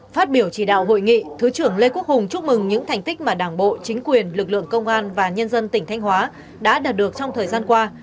phát biểu chỉ đạo hội nghị thứ trưởng lê quốc hùng chúc mừng những thành tích mà đảng bộ chính quyền lực lượng công an và nhân dân tỉnh thanh hóa đã đạt được trong thời gian qua